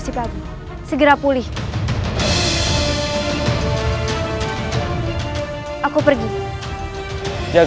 pasalkan dirimu bahagia